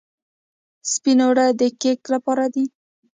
سپین اوړه د کیک لپاره دي.